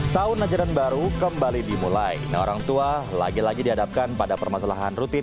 tahun ajaran baru kembali dimulai nah orang tua lagi lagi dihadapkan pada permasalahan rutin